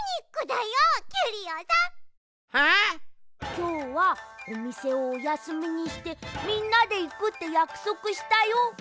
きょうはおみせをおやすみにしてみんなでいくってやくそくしたよ。